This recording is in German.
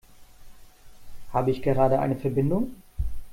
Habe ich gerade eine Verbindung?